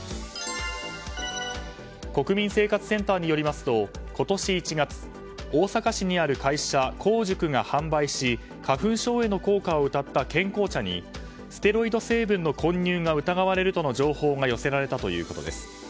国民生活センターによりますと今年１月大阪市にある会社香塾が販売し花粉症への効果をうたった健康茶にステロイド成分の混入が疑われるとの情報が寄せられたということです。